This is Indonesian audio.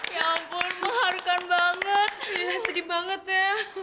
ya ampun mengharukan banget sedih banget ya